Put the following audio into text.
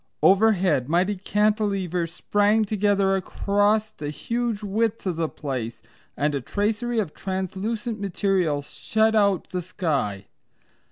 Overhead mighty cantilevers sprang together across the huge width of the place, and a tracery of translucent material shut out the sky.